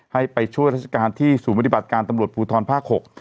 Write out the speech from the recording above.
ให้ไปช่วยราชการที่ศูนย์ปฏิบัติการตำรวจภูทรภาค๖